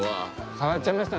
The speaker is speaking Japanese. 変わっちゃいました？